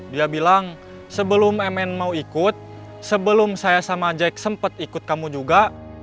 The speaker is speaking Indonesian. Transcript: dia bilang sebelum mn mau ikut sebelum saya sama jack sempat ikut kamu juga